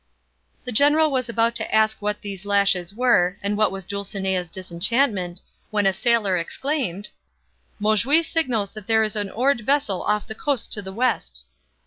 The general was about to ask what these lashes were, and what was Dulcinea's disenchantment, when a sailor exclaimed, "Monjui signals that there is an oared vessel off the coast to the west."